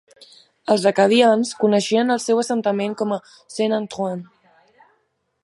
Els acadians coneixien el seu assentament com Saint Antoine.